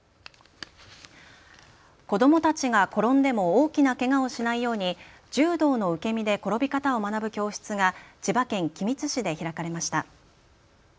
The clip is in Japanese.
子どもたちが転んでも大きなけがをしないように柔道の受け身で転び方を学ぶ教室が千葉県君津市で開かれました。